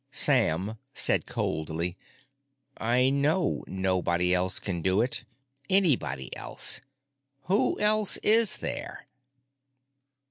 Sam said coldly, "I know nobody else can do it. Anybody else! Who else is there?"